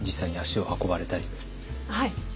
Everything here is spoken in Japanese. はい。